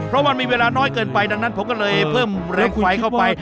เพราะมันมีเวลาน้อยเกินไปดังนั้นผมก็เลยเพิ่มเร็วไฟเข้าไป